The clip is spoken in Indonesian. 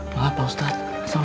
biasakan kalau masuk rumah salam